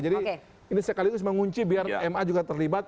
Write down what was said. jadi ini sekaligus mengunci biar ma juga terlibat